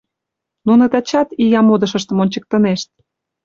— Нуно тачат ия модышыштым ончыктынешт!